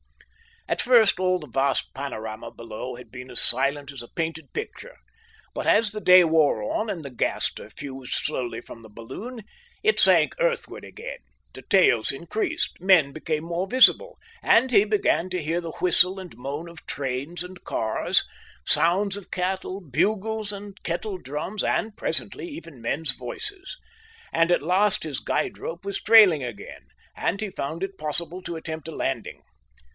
At first all the vast panorama below had been as silent as a painted picture. But as the day wore on and the gas diffused slowly from the balloon, it sank earthward again, details increased, men became more visible, and he began to hear the whistle and moan of trains and cars, sounds of cattle, bugles and kettle drums, and presently even men's voices. And at last his guide rope was trailing again, and he found it possible to attempt a landing.